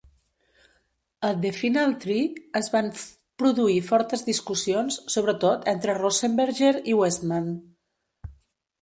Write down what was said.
A The Final Three es van produir fortes discussions, sobretot entre Rosenberger i Westman.